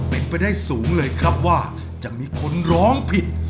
เป็นไปได้สูงเลยครับว่าจะมีคนร้องผิด